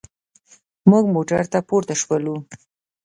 موږ موټر ته پورته شولو.